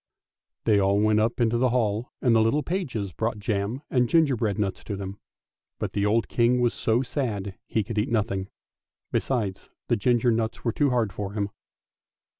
They all went up into the hall and the little pages brought jam and gingerbread nuts to them; but the old King was so sad that he could eat nothing, besides the ginger nuts were too hard for him.